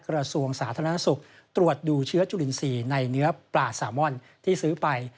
กระทรวงสาธารณสุขตรวจดูเชื้อจุลินทรีย์ในเนื้อปลาซามอนที่ซื้อไป